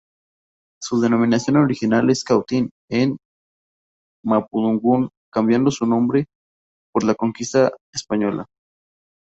Su denominación original es Cautín en mapudungun, cambiando su nombre por la conquista española.